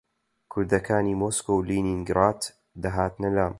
کوردەکانی مۆسکۆ و لینینگراد دەهاتنە لام